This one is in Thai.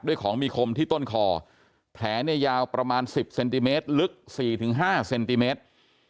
ด้วยของมีคมที่ต้นคอแถนยาวประมาณ๑๐เซนติเมตรลึก๔ถึง๕เซนติเมตร